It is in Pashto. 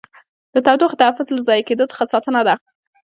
د تودوخې تحفظ له ضایع کېدو څخه ساتنه ده.